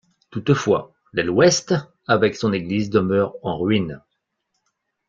Toutefois l’aile ouest, avec son église, demeure en ruines.